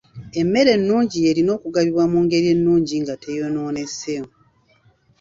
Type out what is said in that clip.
Emmere ennungi y'erina okugabibwa mu ngeri ennungi nga teyonoonese.